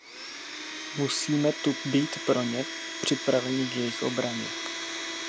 Musíme tu být pro ně, připraveni k jejich obraně.